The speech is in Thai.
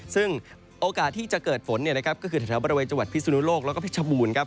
ซึ่งโอกาสที่จะเกิดฝนก็คือในบริเวณจังหวัดพิสุนุโลกและพิชบูรณ์ครับ